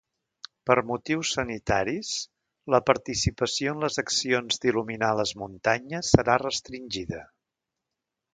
Per motius sanitaris, la participació en les accions d’il·luminar les muntanyes serà restringida.